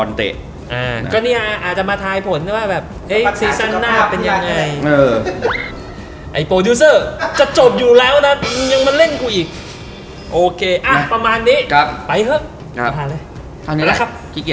เร็วทันใจ